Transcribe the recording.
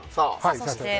そして？